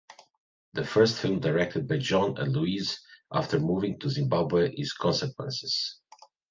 The first film directed by John and Louise after moving to Zimbabwe is "Consequences".